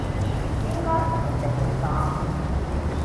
應該係最後一個